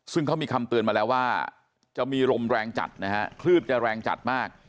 ซึ่งเขามีคำเตือนมาแล้วว่าจะมีลมแรงจัดนะฮะคลื่นจะแรงจัดมาก